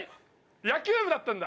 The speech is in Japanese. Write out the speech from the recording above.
野球部だったんだ。